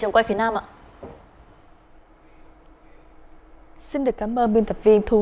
đồng thời khuyên cáo người dân không chia sẻ những thông tin chưa được kiểm chứng